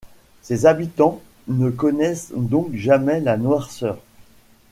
Ses habitants ne connaissent donc jamais la noirceur.